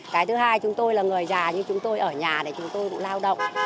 cái thứ hai chúng tôi là người già nhưng chúng tôi ở nhà để chúng tôi lao động